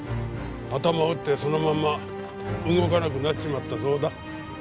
頭を打ってそのまま動かなくなっちまったそうだ。